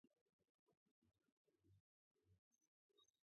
ნოლანი აგრეთვე საპილოტო ეპიზოდის რეჟისორია.